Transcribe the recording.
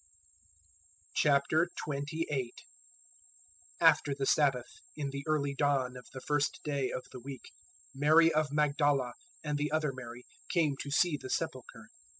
028:001 After the Sabbath, in the early dawn of the first day of the week, Mary of Magdala and the other Mary came to see the sepulchre.